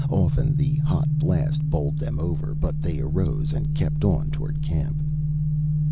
Often the hot blast bowled them over, but they arose and kept on toward camp.